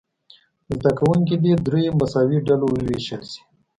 زده کوونکي دې دریو مساوي ډلو وویشل شي.